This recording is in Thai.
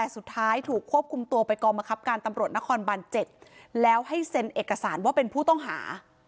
สุดท้ายถูกควบคุมตัวไปกองบังคับการตำรวจนครบาน๗แล้วให้เซ็นเอกสารว่าเป็นผู้ต้องหา